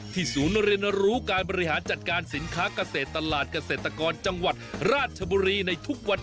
ศูนย์เรียนรู้การบริหารจัดการสินค้าเกษตรตลาดเกษตรกรจังหวัดราชบุรีในทุกวัน